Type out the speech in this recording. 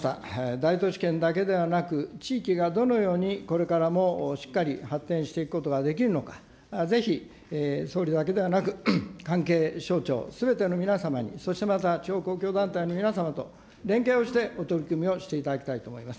大都市圏だけではなく、地域がどのようにこれからもしっかり発展していくことができるのか、ぜひ総理だけではなく、関係省庁、すべての皆様に、そしてまた地方公共団体の皆様と連携をしてお取り組みをしていただきたいと思います。